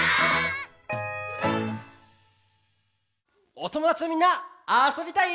おともだちのみんなあそびたい？